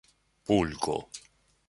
bulko